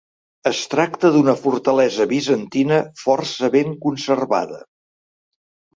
Es tracta d'una fortalesa bizantina força ben conservada.